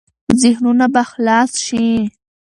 ذهنونه به خلاص شي.